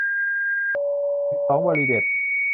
สิบสอง วลีเด็ด